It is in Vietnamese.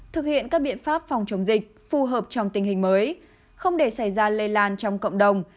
thực hiện các biện pháp phòng chống dịch phù hợp trong tình hình mới không để xảy ra lây lan trong cộng đồng